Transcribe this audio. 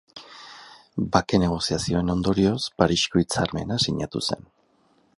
Bake negoziazioen ondorioz Parisko Hitzarmena sinatu zen.